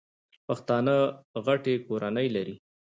پښتانه غټي کورنۍ لري.